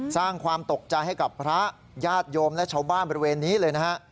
สร้างความตกใจให้กับพระญาติโยมและชาวบ้านบริเวณนี้เลยนะฮะ